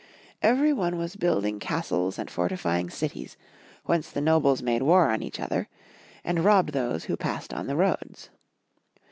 Every one was building castles and fortifying cities, whence the nobles made war on each other, and robbed those who passed on the roads.